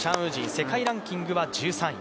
世界ランキングは１３位。